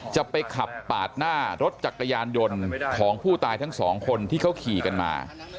จะไปขับปาดหน้ารถจักรยานยนต์ของผู้ตายทั้งสองคนที่เขาขี่กันมา